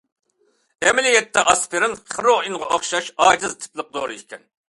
ئەمەلىيەتتە ئاسپىرىن خىروئىنغا ئوخشاش ئاجىز تىپلىق دورا ئىكەن.